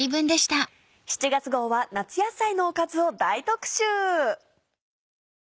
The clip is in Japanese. ７月号は夏野菜のおかずを大特集！